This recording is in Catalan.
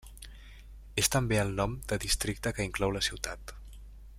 És també el nom de districte que inclou la ciutat.